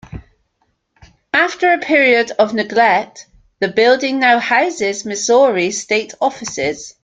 After a period of neglect, the building now houses Missouri state offices.